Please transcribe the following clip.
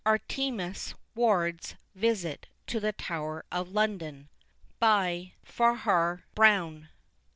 "_) ARTEMUS WARD'S VISIT TO THE TOWER OF LONDON. CH. FARRAR BROWNE.